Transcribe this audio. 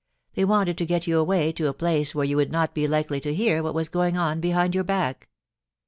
They wanted to get you away to a place where you would not be likely to hear what was going on behind your back.